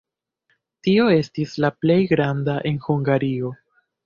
Tio estis la plej granda en Hungario.